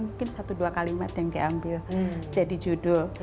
mungkin satu dua kalimat yang diambil jadi judul